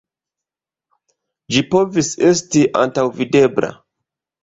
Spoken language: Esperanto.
Ĝi povis esti antaŭvidebla.